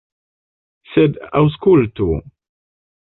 Sed aŭskultu!